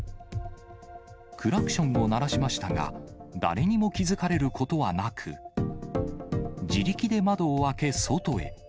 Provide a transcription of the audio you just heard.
クラクションを鳴らしましたが、誰にも気付かれることはなく、自力で窓を開け、外へ。